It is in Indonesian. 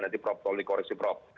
nanti prop tolong dikoreksi prop